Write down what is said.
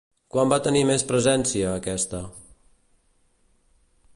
Quan va tenir més presència, aquesta?